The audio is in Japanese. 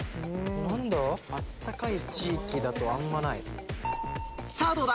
・何だ？・・暖かい地域だとあんまない・さぁどうだ？